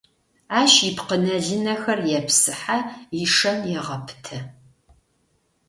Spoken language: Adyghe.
Ащ ипкъынэ-лынэхэр епсыхьэ, ишэн егъэпытэ.